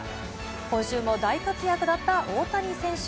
今週も大活躍だった大谷選手。